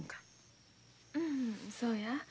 うんそうや。